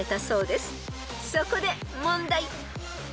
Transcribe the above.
［そこで問題］